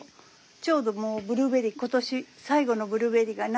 ちょうどブルーベリー今年最後のブルーベリーがなってるよ。